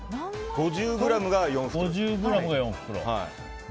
５０ｇが４袋。